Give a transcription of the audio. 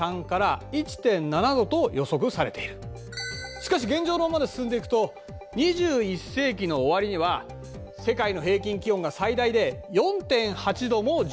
しかし現状のままで進んでいくと２１世紀の終わりには世界の平均気温が最大で４．８度も上昇すると予測されているんだ。